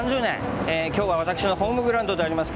今日は私のホームグラウンドであります